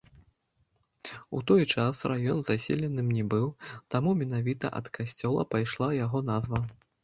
У той час раён заселеным не быў, таму менавіта ад касцёла пайшла яго назва.